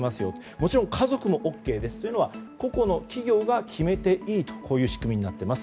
もちろん、家族もＯＫですとかそういうのは、個々の企業が決めていいという仕組みになっています。